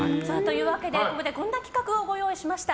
ここでこんな企画をご用意しました。